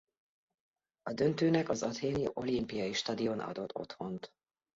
A döntőnek az athéni Olimpiai Stadion adott otthont.